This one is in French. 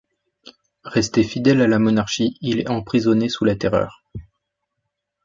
Resté fidèle à la monarchie, il est emprisonné sous la Terreur.